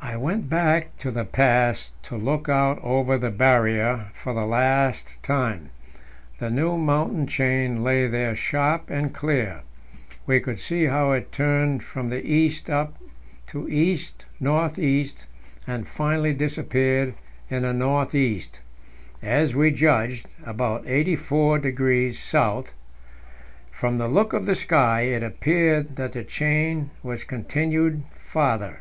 I went back to the pass to look out over the Barrier for the last time. The new mountain chain lay there sharp and clear; we could see how it turned from the east up to east north east, and finally disappeared in the north east as we judged, about 84° S. From the look of the sky, it appeared that the chain was continued farther.